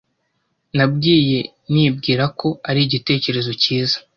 Nabwiye nibwira ko ari igitekerezo cyiza.